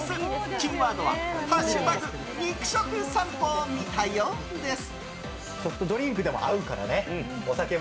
キーワードは「＃肉食さんぽ見たよ」です。